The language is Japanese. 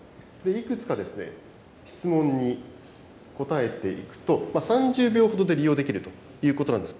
いくつか質問に答えていくと、３０秒ほどで利用できるということなんです。